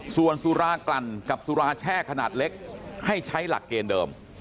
ส่วนสุรากลั่นกับสุราแช่ขนาดเล็กให้ใช้หลักเกณฑ์เดิม